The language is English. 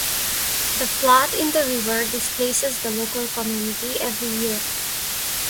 The flood in the river displaces the local community every year.